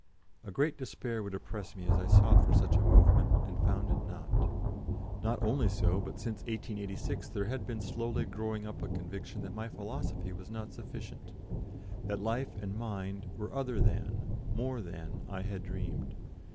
A great despair would oppress me as I sought for such a movement and found it not. [Illustration: MEMBERS OF THE MATCHMAKERS' UNION.] Not only so; but since 1886 there had been slowly growing up a conviction that my philosophy was not sufficient; that life and mind were other than, more than, I had dreamed.